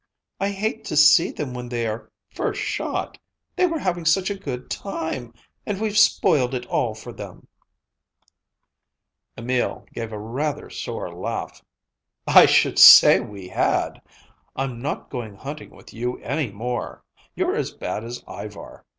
I hate to see them when they are first shot. They were having such a good time, and we've spoiled it all for them." Emil gave a rather sore laugh. "I should say we had! I'm not going hunting with you any more. You're as bad as Ivar.